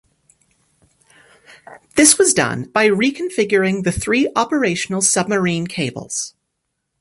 This was done by reconfiguring the three operational submarine cables.